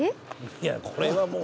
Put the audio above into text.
いやこれはもう。